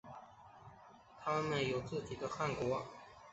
他们有自己的汗国。